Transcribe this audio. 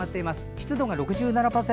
湿度が６７％。